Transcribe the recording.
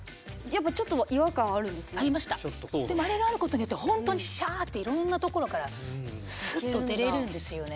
でもあれがあることによってほんとにシャーッていろんな所からスッと出れるんですよね。